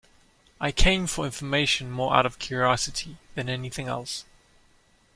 I came for information more out of curiosity than anything else.